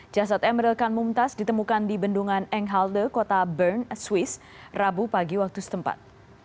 jasad emeril kan mumtaz ditemukan di bendungan enghalde kota bern swiss rabu pagi waktu setempat